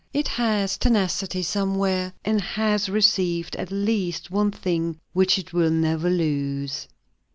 It has tenacity somewhere, and has received at least one thing which it will never lose.